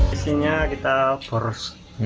isinya kita borse